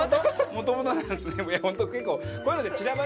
もともとなんですね。